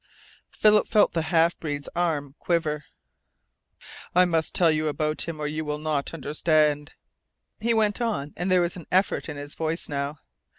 Philip felt the half breed's arm quiver. "I must tell you about him or you will not understand," he went on, and there was effort in his voice now.